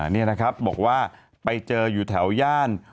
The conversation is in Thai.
นี่นะครับบอกว่าไปเจออยู่แถวย่าน